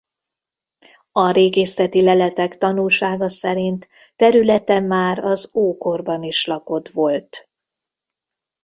A régészeti leletek tanúsága szerint területe már az ókorban is lakott volt.